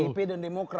pdip dan demokrat